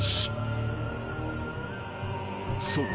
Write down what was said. ［そう。